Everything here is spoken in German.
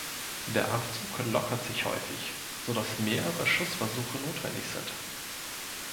Der Abzug lockert sich häufig, so dass mehrere Schussversuche notwendig sind.